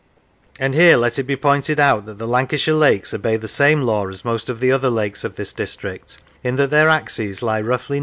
And here let it be pointed out that the Lancashire lakes obey the same law as most of the other lakes of this district, in that their axes lie roughly north and south.